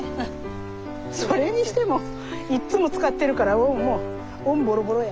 それにしてもいっつも使ってるからもうオンボロボロや。